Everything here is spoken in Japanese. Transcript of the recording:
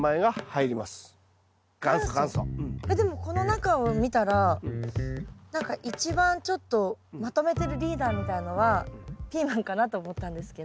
えっでもこの中を見たら何か一番ちょっとまとめてるリーダーみたいのはピーマンかなと思ったんですけど。